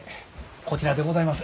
こちらでございます。